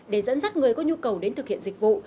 để dẫn dắt người có nhu cầu đến thực hiện dịch vụ